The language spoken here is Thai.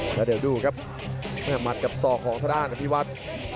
แล้วเดี๋ยวดูครับแม่มัดกับซอกของทดอ้านอภิวัต